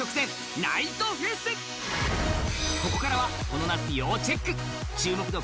ここからはこの夏要チェック注目度